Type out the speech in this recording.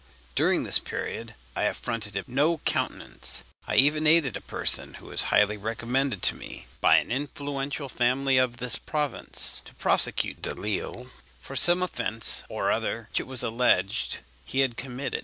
During this period I afforded him no countenance; I even aided a person, who was highly recommended to me by an influential family of this province, to prosecute Delisle for some offence or other which it was alleged he had committed.